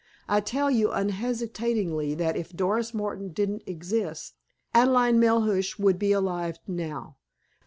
I tell you unhesitatingly that if Doris Martin didn't exist, Adelaide Melhuish would be alive now.